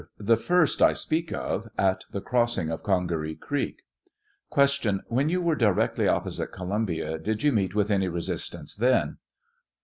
The first, I speak of; at the crossing of Oongaree creek. Q. When you were directly opposite Columbia did you meet with any resistance then